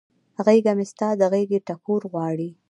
غیږه مې ستا د غیږ ټکور غواړي